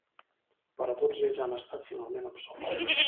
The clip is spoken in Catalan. Però tots ells han estat finalment absolts.